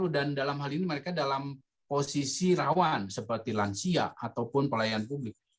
dalam hal ini mereka dalam posisi rawan seperti lansia ataupun pelayan publik